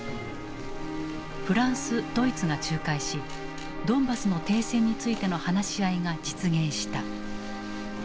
フランスドイツが仲介しドンバスの停戦についての話し合いが実現した。